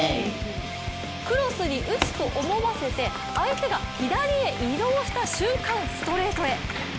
クロスに打つと思わせて相手が左へ移動した瞬間ストレートへ。